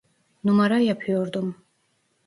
Numara yapıyordum.